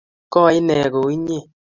Koi inne kou innye